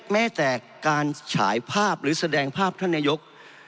แม้แต่การฉายภาพหรือแสดงภาพท่านนายก